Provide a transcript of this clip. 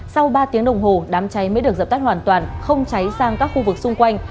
sau ba tiếng đồng hồ đám cháy mới được dập tắt hoàn toàn không cháy sang các khu vực xung quanh